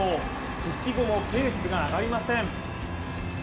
復帰後もペースが上がりません。